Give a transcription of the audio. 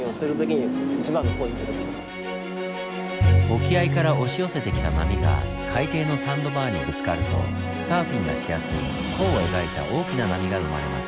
沖合から押し寄せてきた波が海底のサンドバーにぶつかるとサーフィンがしやすい弧を描いた大きな波が生まれます。